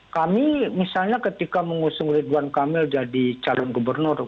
kami misalnya ketika mengusung ridwan kamil jadi calon gubernur